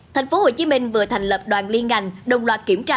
thành phố hồ chí minh vừa thành lập đoàn liên ngành đồng loạt kiểm tra